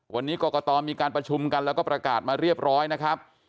วันนี้กรกตมีการประชุมกันแล้วก็ประกาศมาเรียบร้อยนะครับ